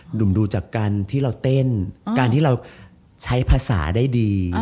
หนุ่มดูจากการที่เราเต้นการที่เราใช้ภาษาได้ดี